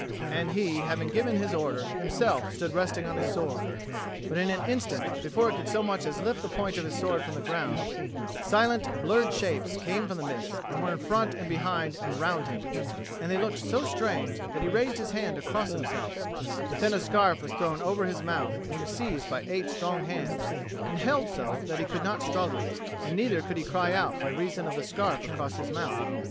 And he, having given his order, himself stood resting on his sword. But in an instant, before he could so much as lift the point of his sword from the ground, silent blurred shapes came from the mist, and were in front and behind and round him; and they looked so strange that he raised his hand to cross himself; but then a scarf was thrown over his mouth, and he was seized by eight strong hands and held so that he could not struggle; and neither could he cry out by reason of the scarf across his mouth.